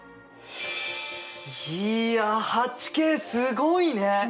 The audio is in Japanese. いや８Ｋすごいね。ね。